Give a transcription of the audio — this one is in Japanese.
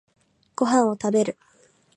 ご飯を食べる